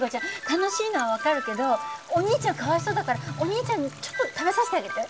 楽しいのは分かるけどお兄ちゃんかわいそうだからお兄ちゃんにちょっと食べさせてあげて。